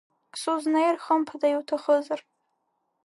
Сузнеир хымԥада иуҭахызар?